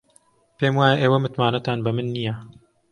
پێم وایە ئێوە متمانەتان بە من نییە.